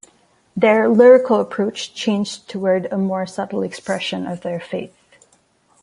Their lyrical approach changed toward a more subtle expression of their faith.